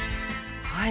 はい。